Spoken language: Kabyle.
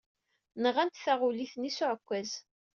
Nɣant taɣulit-nni s uɛekkaz.